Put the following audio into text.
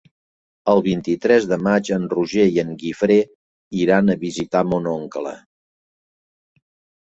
El vint-i-tres de maig en Roger i en Guifré iran a visitar mon oncle.